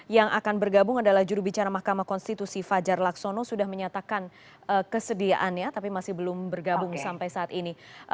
yang akan bergabung adalah jurubicara mahkamah konstitusi fajar laksono sudah menyatakan kesediaannya tapi masih belum bergabung sampai saat ini